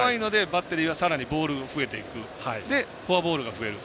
怖いので、バッテリーはさらにボールが増えていくフォアボールが増えていく。